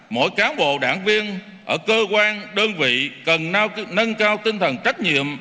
mỗi cán bộ đảng viên ở cơ quan đơn vị cần nâng cao tinh thần trách nhiệm